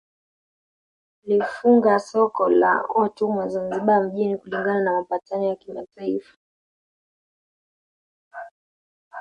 Alifunga soko la watumwa Zanzibar mjini kulingana na mapatano ya kimataifa